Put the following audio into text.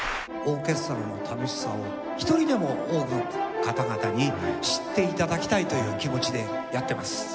オーケストラの楽しさを一人でも多くの方々に知って頂きたいという気持ちでやってます。